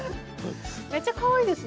めちゃかわいいですね。